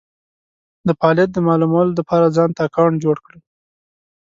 دفعالیت د مالومولو دپاره ځانته اکونټ جوړ کړی